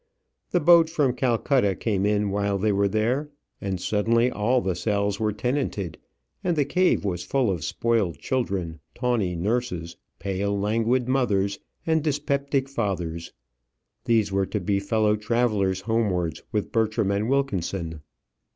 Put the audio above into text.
The boat from Calcutta came in while they were there, and suddenly all the cells were tenanted, and the cave was full of spoiled children, tawny nurses, pale languid mothers, and dyspeptic fathers. These were to be fellow travellers homewards with Bertram and Wilkinson.